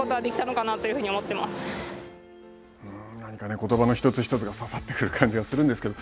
ことばの一つ一つが刺さってくる感じがするんですけれども。